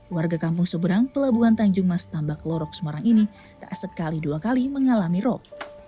warga kampung seberang pelabuhan tanjung mas tambah kelorok semorang ini tak sekali dua kali mengalami rob